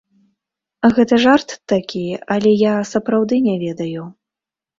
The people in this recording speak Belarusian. Гэта жарт такі, але я, сапраўды, не ведаю.